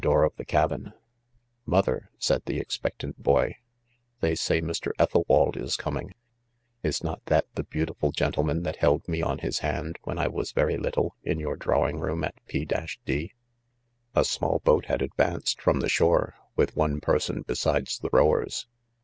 door of the cabin .— ".Mother," said the, expectant boy, "they say Mr. Ethelwald is coming ; 'is not that the beau tiful gentleman that held .me on his hand, when I. was very littlq, in your . drawing room at P n , v \. d 1" , A" small b,oat Jiajd, advanced t from the, shore, with one person besides the.rowers.